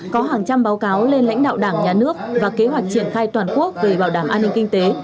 có hàng trăm báo cáo lên lãnh đạo đảng nhà nước và kế hoạch triển khai toàn quốc về bảo đảm an ninh kinh tế